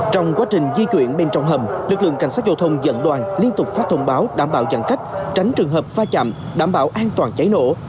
trong quá trình di chuyển bên trong hầm lực lượng cảnh sát giao thông dẫn đoàn liên tục phát thông báo đảm bảo giãn cách tránh trường hợp pha chạm đảm bảo an toàn cháy nổ